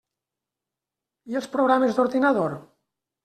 I els programes d'ordinador?